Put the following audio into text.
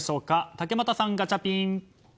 竹俣さん、ガチャピン。